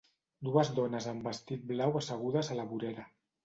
Dues dones amb vestit blau assegudes a la vorera.